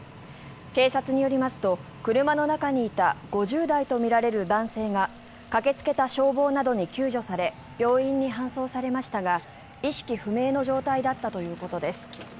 警察によりますと車の中にいた５０代とみられる男性が駆けつけた消防などに救助され病院に搬送されましたが意識不明の状態だったということです。